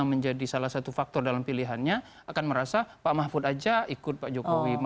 menjadi salah satu faktor dalam pilihannya akan merasa pak mahfud saja ikut pak jokowi